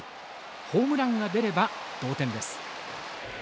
ホームランが出れば同点です。